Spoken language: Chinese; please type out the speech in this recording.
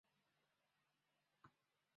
罹难人员的亲人第一次回到了坠机现场。